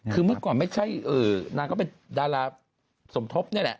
คือเหมือนก่อนเขาเป็นดาราสมทบแน่แหละ